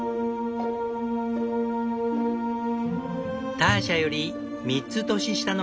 ターシャより３つ年下のアンさん。